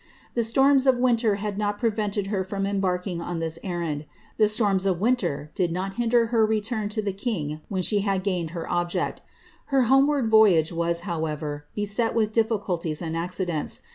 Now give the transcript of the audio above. The storms of winter had not prevented her from embarking on this errand ; the storms of winter did not hinder her return to the king when she had gained her obtject Her homeward xoyn^e was, however, l>eset with diliicultics and accidents.